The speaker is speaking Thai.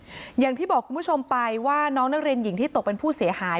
อย่างที่บอกคุณผู้ชมไปว่าน้องนักเรียนหญิงที่ตกเป็นผู้เสียหาย